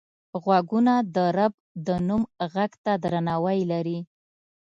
غوږونه د رب د نوم غږ ته درناوی لري